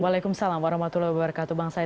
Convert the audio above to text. waalaikumsalam warahmatullahi wabarakatuh bang said